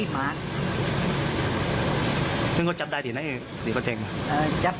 มันก็คุ้นหน่วยหารติยืนมือกับมาช่วย